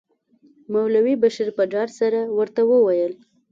مولوي بشیر په ډاډ سره ورته وویل.